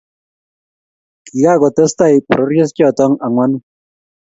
Kikakotestai pororiosiechoto angwanu